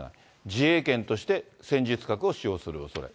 自衛権として戦術核を使用するおそれ。